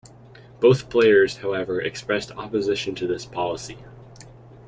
Both players, however, expressed opposition to this policy.